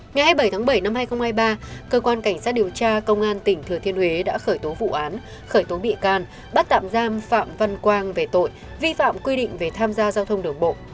ngày hai mươi bảy tháng bảy năm hai nghìn hai mươi ba cơ quan cảnh sát điều tra công an tỉnh thừa thiên huế đã khởi tố vụ án khởi tố bị can bắt tạm giam phạm văn quang về tội vi phạm quy định về tham gia giao thông đường bộ